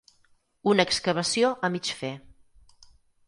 Una excavació a mig fer.